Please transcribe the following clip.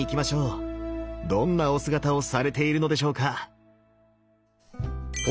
どんなお姿をされているのでしょうか。